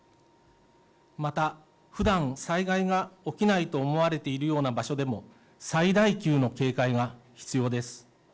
また、ふだん災害が起きないと思われているような場所でも最大級の警戒が必要です。